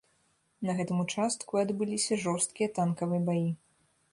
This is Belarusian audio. На гэтым участку адбыліся жорсткія танкавыя баі.